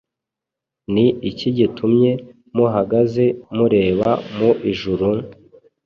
ni iki gitumye muhagaze mureba mu ijuru?